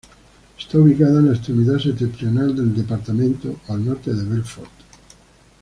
Está ubicada en la extremidad septentrional del departamento, a al norte de Belfort.